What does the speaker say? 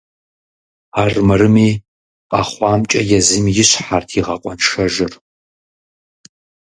Армырми, къэхъуамкӏэ езым и щхьэрт игъэкъуэншэжыр.